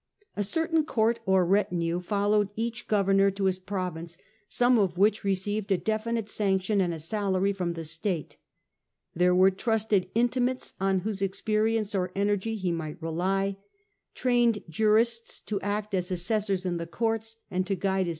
A certain court or retinue followed each governor to his province, some of which received a definite sanction and a salary from the state. There were trusted intimates on whose experience or energy he might rely, trained jurists and their to act as asscssors in the courts, and to guide suite.